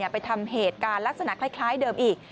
ไปทำเหตุการณ์ลักษณะคล้ายเดิมอีก